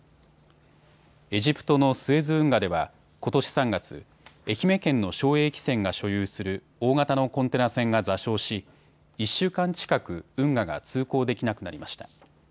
エジプトのスエズ運河ではことし３月、愛媛県の正栄汽船が所有する大型のコンテナ船が座礁し１週間近く、運河が通航できなくなりました。